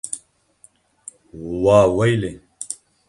Waweylê!